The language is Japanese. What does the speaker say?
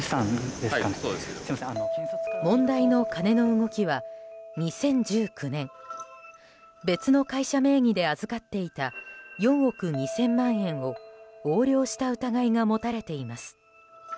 問題の金の動きは２０１９年別の会社名義で預かっていた４億２０００万円を横領した疑いが持たれています。